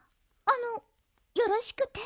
あのよろしくて？